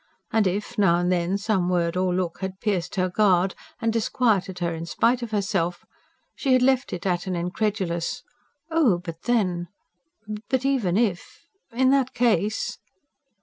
And if, now and then, some word or look had pierced her guard and disquieted her in spite of herself, she had left it at an incredulous: "Oh, but then... But even if... In that case...."